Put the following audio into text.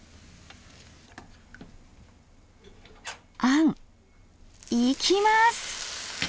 あんいきます！